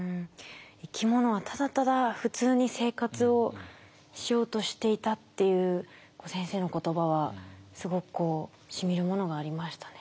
「生き物はただただ普通に生活をしようとしていた」っていう先生の言葉はすごくこうしみるものがありましたね。